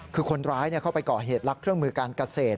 คือคนร้ายเข้าไปก่อเหตุลักเครื่องมือการเกษตร